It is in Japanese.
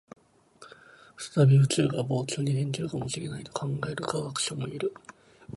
再び宇宙が膨張に転じるかもしれないと考える科学者もいる